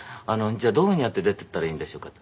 じゃあどういうふうにやって出て行ったらいいんでしょうか？」